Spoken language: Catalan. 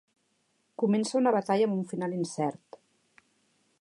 Comença una batalla amb un final incert.